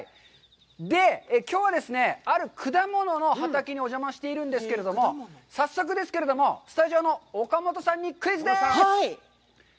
きょうはですね、ある果物の畑にお邪魔しているんですけれども、早速ですけれども、スタジオの岡本さんにクイズです！